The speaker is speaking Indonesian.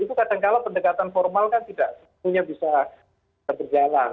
itu kadang kadang pendekatan formal kan tidak sepenuhnya bisa terperjalang